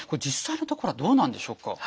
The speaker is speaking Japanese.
実際のところはどうなんでしょうか？